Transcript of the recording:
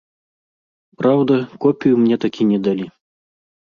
Праўда, копію мне так і не далі.